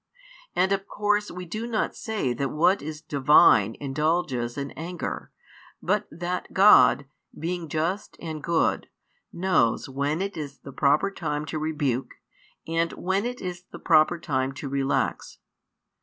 And of course we do not say that what is Divine indulges in anger, but that [God], being just and good, knows when it is the proper time to rebuke, and when it is the proper time to relax.